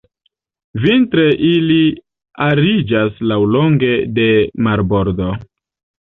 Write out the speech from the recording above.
Vintre ili ariĝas laŭlonge de marbordo.